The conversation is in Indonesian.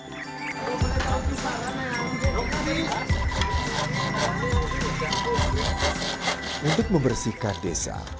untuk membersihkan desa